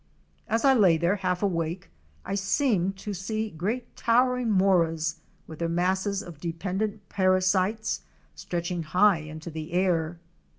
As I lay there half awake, I seemed to see great towering moras, with their masses of dependent para sites, stretching high into the air.